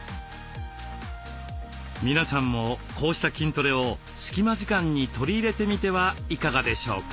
皆さんもこうした筋トレを隙間時間に取り入れてみてはいかがでしょうか？